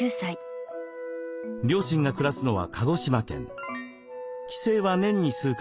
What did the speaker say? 両親が暮らすのは鹿児島県。